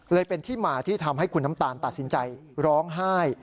เลยเป็นที่มาที่ทำให้คุณน้ำตาลตัดสินใจร้องไห้